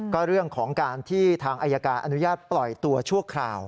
ก็เรื่องของการที่ทางอายการอนุญาตปล่อยตัวชั่วคราว